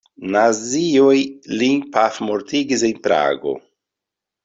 Nazioj lin pafmortigis en Prago.